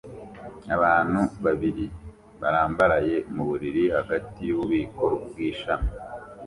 Abantu babiri barambaraye mu buriri hagati yububiko bw'ishami